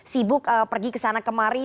sibuk pergi ke sana kemari